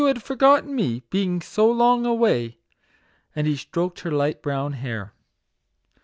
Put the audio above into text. had forgotten me, being so long away." And he stroked her bright brown hair.